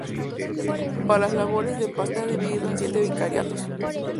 Para las labores de pastoral queda dividido en siete vicariatos.